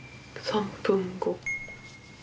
３分後。